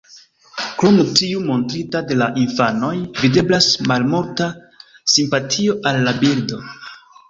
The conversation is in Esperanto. Krom tiu montrita de la infanoj, videblas malmulta simpatio al la birdo.